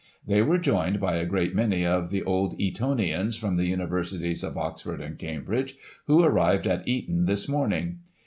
They were joined by a great many of the old Etonians from the Uni versities of Oxford and Cambridge, who arrived at Eton this morning.